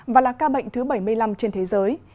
và là ca bệnh thứ bảy mươi năm trên thế giới